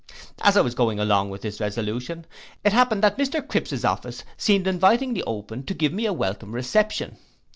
As I was going along with this resolution, it happened that Mr Cripse's office seemed invitingly open to give me a welcome reception.